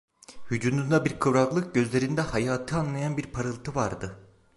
Vücudunda bir kıvraklık, gözlerinde hayatı anlayan bir parıltı vardı…